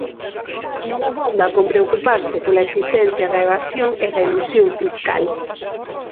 Non abonda con preocuparse pola existencia da evasión e da elusión fiscal.